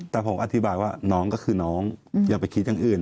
แต่ผมอธิบายว่าน้องก็คือน้องอย่าไปคิดอย่างอื่น